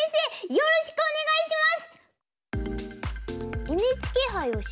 よろしくお願いします！